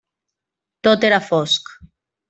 Tot era fosc.